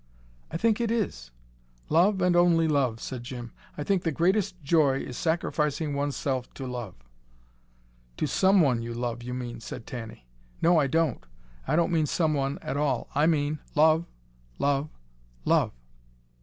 "I think it is. Love and only love," said Jim. "I think the greatest joy is sacrificing oneself to love." "To SOMEONE you love, you mean," said Tanny. "No I don't. I don't mean someone at all. I mean love love love.